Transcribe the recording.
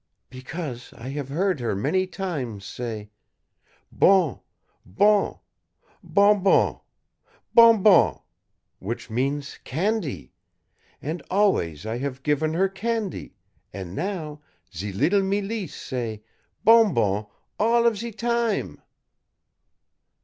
"Because I have heard her many times say, 'Bon bon bonbon bonbon' which means candee; and always I have given her candee, an' now ze leetle Mélisse say 'Bonbon' all of ze time."